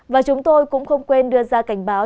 và chúng tôi cũng không quên đưa ra cảnh báo